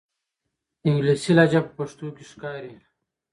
انګلیسي لهجه په پښتو کې ښکاري.